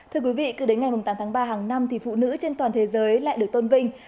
thưa quý vị cứ đến ngày tám tháng ba hàng năm thì phụ nữ trên toàn thế giới lại được tôn vinh